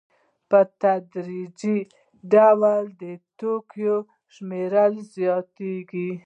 په تدریجي ډول د توکو شمېر زیاتېږي